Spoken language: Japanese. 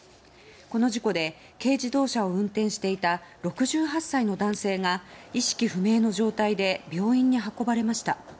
この事故で軽自動車を運転していた６８歳の男性が意識不明の状態で病院に運ばれました。